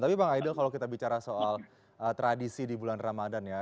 tapi bang aidil kalau kita bicara soal tradisi di bulan ramadan ya